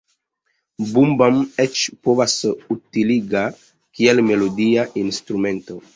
Boo-bam eĉ povas utiligata kiel melodia instrumento.